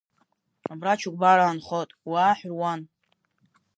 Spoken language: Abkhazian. Абра Чыкәбараа нхот, уааҳә руан.